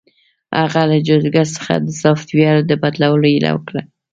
هغه له جادوګر څخه د سافټویر د بدلولو هیله وکړه